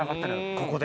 ここで。